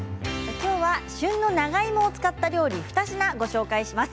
きょうは旬の長芋を使った料理を２品ご紹介します。